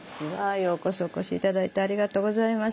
ようこそお越し頂いてありがとうございます。